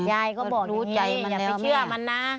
ยายก็บอกยายอย่าไปเชื่อมันนะ